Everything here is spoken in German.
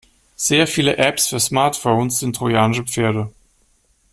Sehr viele Apps für Smartphones sind trojanische Pferde.